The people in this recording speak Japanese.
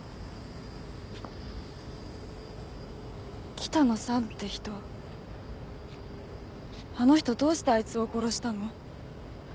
北野さんって人あの人どうしてあいつを殺したの？